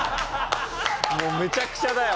もうめちゃくちゃだよ！